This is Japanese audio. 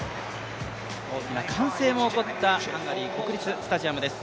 歓声も起こった、ハンガリー国立スタジアムです。